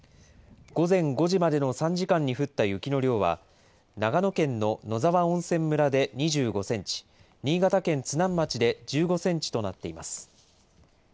午前５時までの３時間に降った雪の量は長野県の野沢温泉村で２５センチ、新潟県津南町で１５センチとなっています。